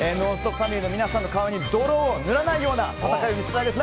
ファミリーの皆さんの顔に泥を塗らないような戦いを見せたいです。